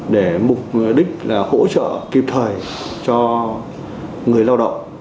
để mục đích là hỗ trợ kịp thời cho người lao động